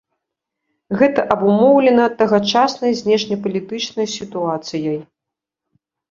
Гэта абумоўлена тагачаснай знешнепалітычнай сітуацыяй.